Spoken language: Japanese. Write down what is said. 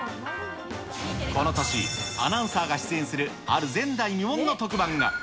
この年、アナウンサーが出演するある前代未聞の特番が。